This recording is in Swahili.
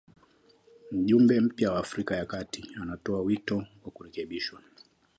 Mjumbe mpya wa Afrika ya Kati anatoa wito wa kurekebishwa